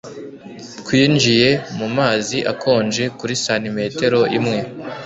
Twinjiye mu mazi akonje kuri santimetero imwe